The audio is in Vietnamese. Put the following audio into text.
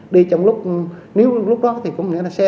đi trong lúc nếu lúc đó thì có nghĩa là xe